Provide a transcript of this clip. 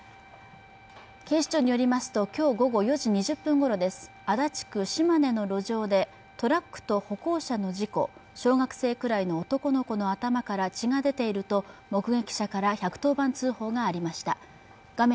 警視庁によりますと今日午後４時２０分ごろです足立区島根の路上でトラックと歩行者の事故小学生くらいの男の子の頭から血が出ていると目撃者から１１０番通報がありました画面